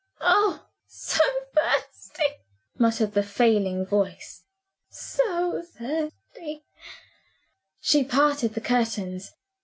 "Oh, so thirsty!" murmured the failing voice "so thirsty!" She parted the curtains.